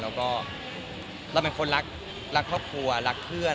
แล้วก็เราเป็นคนรักครอบครัวรักเพื่อน